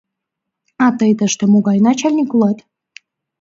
— А тый тыште могай начальник улат?